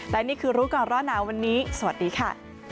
และนี่คือรู้ก่อนร้อนหนาวันนี้สวัสดีค่ะ